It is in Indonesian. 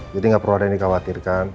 jadi gak perlu ada yang dikhawatirkan